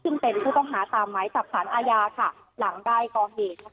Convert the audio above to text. ซึ่งเป็นผู้ต้องหาตามหมายจับสารอาญาค่ะหลังได้ก่อเหตุ